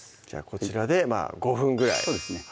こちらで５分ぐらいそうですね